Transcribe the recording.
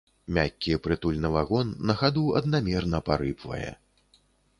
Мяккі прытульны вагон на хаду аднамерна парыпвае.